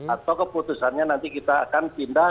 atau keputusannya nanti kita akan pindah